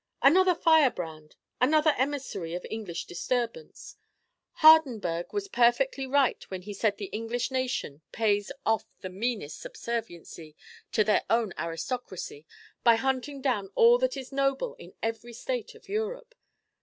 "Another firebrand, another emissary of English disturbance. Hardenberg was perfectly right when he said the English nation pays off the meanest subserviency to their own aristocracy by hunting down all that is noble in every state of Europe.